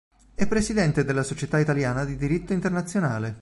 È Presidente della Società Italiana di Diritto Internazionale.